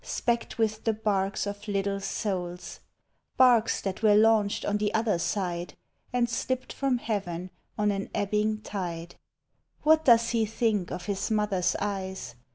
Specked with the barks of little souls — Barks that were launched on the other side, And slipi>ed from Heaven on an ebbing tide ! What does he think of his mother's eyes?